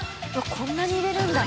こんなに入れるんだ。